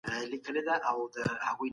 مثبت فکر ژوند نه ځنډوي.